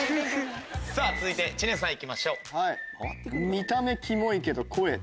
続いて知念さん行きましょう。